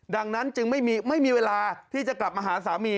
ดังนั้นจึงไม่มีเวลาที่จะกลับมาหาสามี